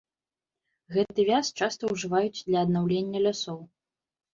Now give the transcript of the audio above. Гэты вяз часта ўжываюць для аднаўлення лясоў.